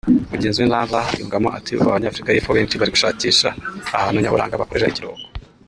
Mugenzi we Nhlanhla yungamo ati “Ubu Abanyafurika y’Epfo benshi bari gushakisha ahantu nyaburaga bakorera ikiruhuko